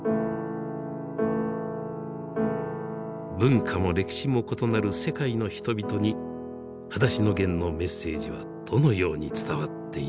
文化も歴史も異なる世界の人々に「はだしのゲン」のメッセージはどのように伝わっているのか。